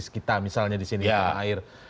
sekitar misalnya di sini di dalam air